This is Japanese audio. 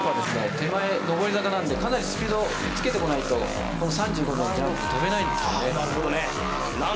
手前上り坂なんでかなりスピードつけてこないと３５度のジャンプ跳べないんですねああ